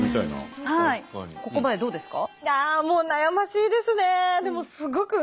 ここまでどうですか？